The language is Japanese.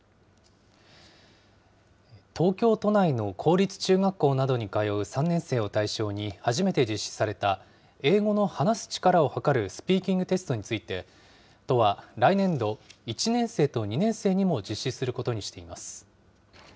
東京都内の公立中学校などに通う３年生を対象に初めて実施された、英語の話す力をはかるスピーキングテストについて、都は来年度、１年生と２年生にも実施することにしています。